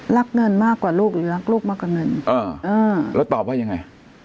รักเงินมากกว่าลูกหรือรักลูกมากกว่าเงินแล้วตอบว่ายังไง